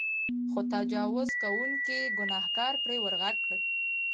خو تجاوز کوونکي ګنهکار پرې ورغږ کړ.